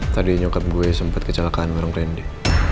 tadi nyokap gue sempet kecelakaan sama randy